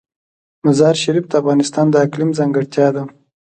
مزارشریف د افغانستان د اقلیم ځانګړتیا ده.